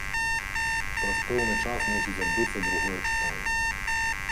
Праз пэўны час мусіць адбыцца другое чытанне.